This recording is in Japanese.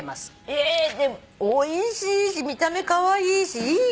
えでもおいしいし見た目カワイイしいいね。